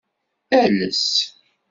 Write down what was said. Ales.